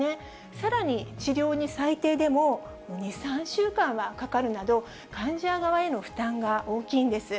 さらに、治療に最低でも２、３週間はかかるなど、患者側への負担が大きいんです。